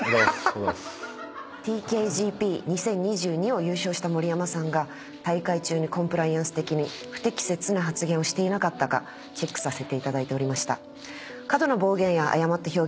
ＴＫＧＰ２０２２を優勝した盛山さんが大会中にコンプライアンス的に不適切な発言をしていなかったかチェックさせていただいておりました。